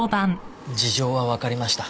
事情はわかりました。